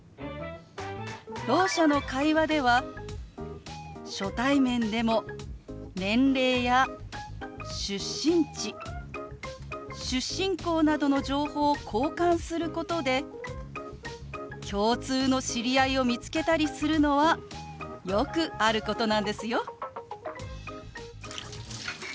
ろう者の会話では初対面でも年齢や出身地出身校などの情報を交換することで共通の知り合いを見つけたりするのはよくあることなんですよ。